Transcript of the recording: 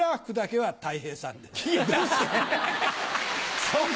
はい。